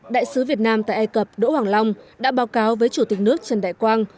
đại sứ việt nam tại ai cập đỗ hoàng long đã báo cáo với chủ tịch nước trần đại quang